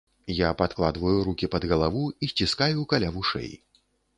Я падкладваю рукі пад галаву і сціскаю каля вушэй.